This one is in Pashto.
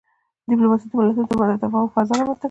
ډيپلوماسي د ملتونو ترمنځ د تفاهم فضا رامنځته کوي.